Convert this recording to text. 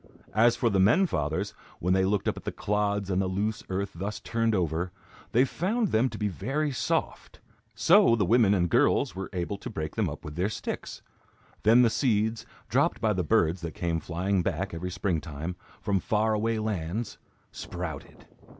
As for the men fathers, when they looked at the clods and the loose earth thus turned over, they found them to be very soft. So the women and girls were able to break them up with their sticks. Then the seeds, dropped by the birds that came flying back every spring time, from far away lands, sprouted.